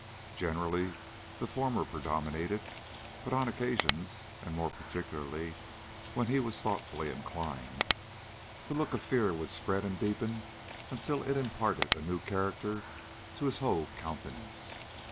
Generally the former predominated, but on occasions, and more particularly when he was thoughtfully inclined, the look of fear would spread and deepen until it imparted a new character to his whole countenance.